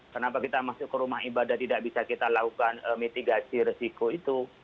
kenapa kita masuk ke rumah ibadah tidak bisa kita lakukan mitigasi resiko itu